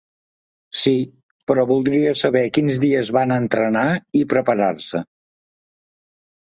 Si, però voldria saber quins dies van a entrenar i preparar-se.